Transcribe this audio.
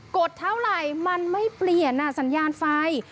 ดเท่าไหร่มันไม่เปลี่ยนสัญญาณไฟ